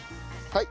はい。